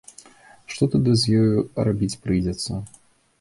Што тады з ёю рабіць прыйдзецца?